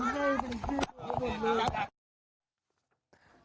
ขอบคุณครับ